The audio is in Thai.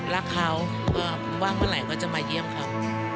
รักเขาว่างเมื่อไหร่ก็จะมาเยี่ยมเขา